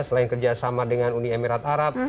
selain kerjasama dengan uni emirat arab